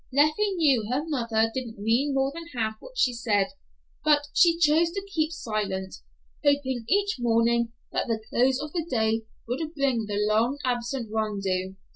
Leffie knew her mother didn't mean more than half what she said, but she chose to keep silent, hoping each morning that the close of the day would bring the long absent Rondeau.